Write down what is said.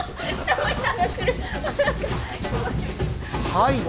はい！